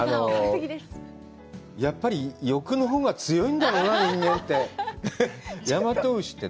やっぱり、欲のほうが強いんだろうな、人間って。